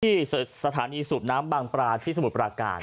ที่สถานีสูบน้ำบางปลาที่สมุทรปราการ